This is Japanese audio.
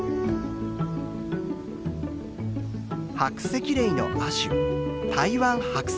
ハクセキレイの亜種タイワンハクセキレイ。